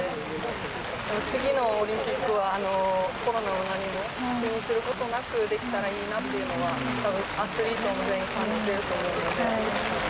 次のオリンピックはコロナの波も気にすることなくできたらいいなっていうのは、たぶんアスリート全員感じていると思うので。